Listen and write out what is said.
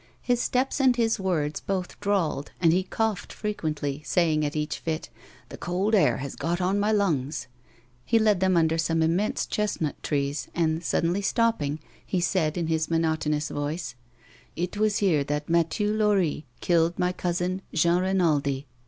His steps and his words both drawled, and he coughed frequently, saying at each fit, " The cold air has got on my lungs." He led them under some immense chestnut trees, and, suddenly stopping, he said in his monotonous voice :" It was here that Mathieu Lori killed my cousin Jean Rinaldi.